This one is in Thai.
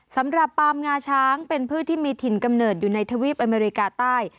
สำหรับปามงาช้างเป็นพืชที่มีถิ่นกำเนิดอยู่ในทวีปอเมริกาใต้